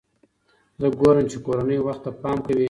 زه ګورم چې کورنۍ وخت ته پام کوي.